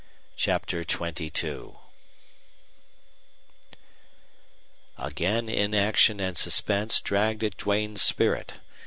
CHAPTER XXII Again inaction and suspense dragged at Duane's spirit.